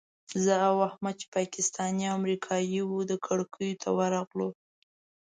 زه او احمد چې پاکستاني امریکایي وو کړکیو ته ورغلو.